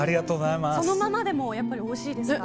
そのままでもおいしいですか？